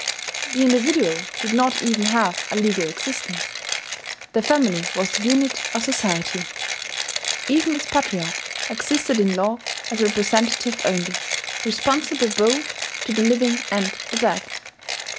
The individual did not even have a legal existence; the family was the unit of society. Even its patriarch existed in law as representative only, responsible both to the living and the dead.